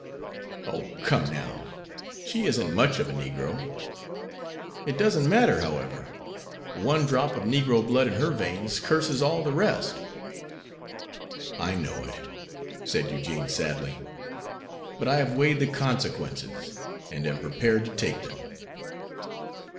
"Oh, come now; she isn't much of a negro." "It doesn't matter, however. One drop of negro blood in her veins curses all the rest." "I know it," said Eugene, sadly, "but I have weighed the consequences, and am prepared to take them."